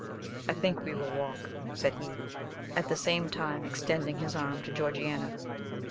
"I think we will walk," said he, at the same time extending his arm to Georgiana.